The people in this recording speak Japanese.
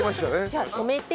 じゃあ止めて。